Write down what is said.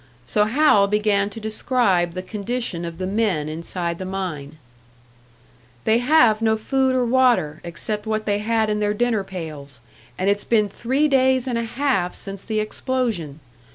So Hal began to describe the condition of the men inside the mine. "They have no food or water, except what they had in their dinner pails; and it's been three days and a half since the explosion!